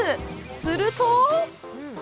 すると。